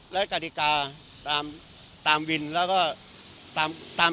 และกฎิกาตามตามวินแล้วก็ตามตาม